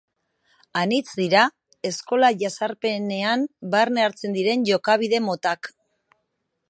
Anitz dira eskola jazarpenean barne hartzen diren jokabide motak.